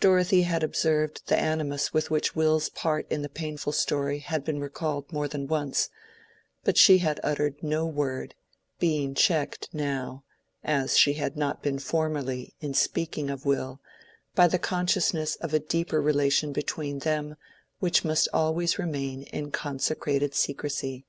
Dorothea had observed the animus with which Will's part in the painful story had been recalled more than once; but she had uttered no word, being checked now, as she had not been formerly in speaking of Will, by the consciousness of a deeper relation between them which must always remain in consecrated secrecy.